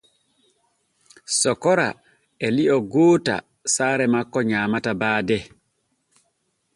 Sokora e lio gooto saare makko nyaamata baade.